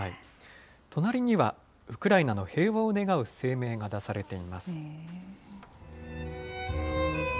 隣には、ウクライナの平和を願う声明が出されています。